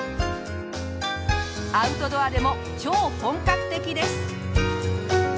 アウトドアでも超本格的です。